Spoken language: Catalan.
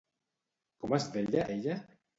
Com es deia ella?